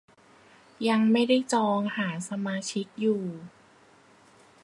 ยังไม่ได้จอง หาสมาชิกอยู่